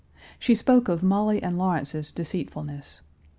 She spoke of Molly and Lawrence's deceitfulness.